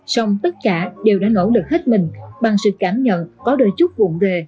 xong tất cả đều đã nỗ lực hết mình bằng sự cảm nhận có đời chúc vụn rề